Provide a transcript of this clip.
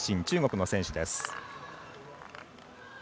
中国の選手です。